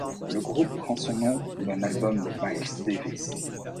Le groupe prend son nom d'un album de Miles Davis.